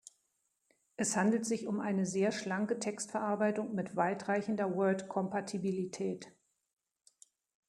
Es handelt sich um eine sehr schlanke Textverarbeitung mit weitreichender Word-Kompatibilität.